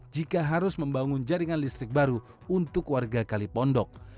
jika harus membangun jaringan listrik baru untuk warga kalipondok